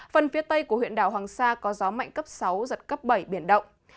phần phía tây của huyện đảo hoàng sa có gió mạnh cấp sáu giật cấp bảy biển động